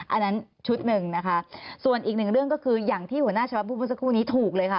อันนั้นชุดหนึ่งนะคะส่วนอีกหนึ่งเรื่องก็คืออย่างที่หัวหน้าชวัดพูดเมื่อสักครู่นี้ถูกเลยค่ะ